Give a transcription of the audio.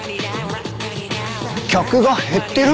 客が減ってる？